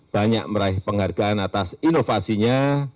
banyak meraih penghargaan atas inovasinya